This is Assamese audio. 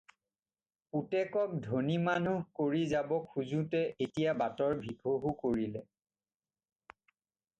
পুতেকক ধনী মানুহ কৰি যাব খোজোঁতে এতিয়া বাটৰ ভিকহু কৰিলে।